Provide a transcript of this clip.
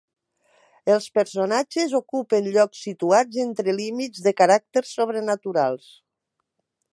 Els personatges ocupen llocs situats entre límits de caràcter sobrenaturals.